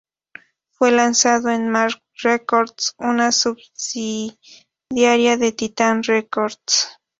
Fue lanzado en Marc Records, una subsidiaria de Titan Records.